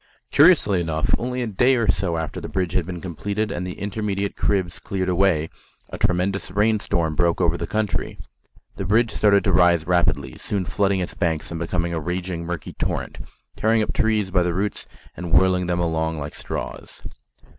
Curiously enough, only a day or so after the bridge had been completed and the intermediate cribs cleared away, a tremendous rain storm broke over the country. The river started to rise rapidly, soon flooding its banks and becoming a raging murky torrent, tearing up trees by the roots and whirling them along like straws.